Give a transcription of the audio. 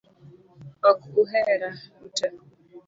Ok uhera ute